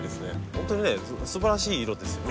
本当にねすばらしい色ですよね。